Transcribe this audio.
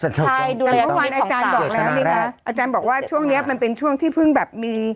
สันเจตนาแหละใช่ดูแลของสาวสันเจตนาแรกอาจารย์บอกว่าช่วงเนี้ยมันเป็นช่วงที่เพิ่งแบบมี